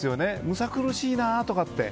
むさ苦しいなとかって。